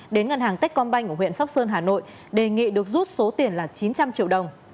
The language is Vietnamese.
đến ngân hàng tết con banh của huyện sóc sơn hà nội đề nghị được rút số tiền là chín trăm linh triệu đồng